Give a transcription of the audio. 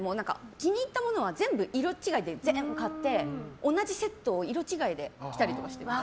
気に入ったものは全部色違いで買って同じセットを色違いで着たりとかしてます。